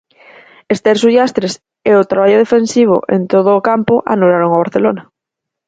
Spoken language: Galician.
Ester Sullastres e o traballo defensivo en todo o campo anularon ao Barcelona.